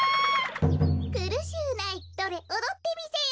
くるしゅうないおどってみせよ。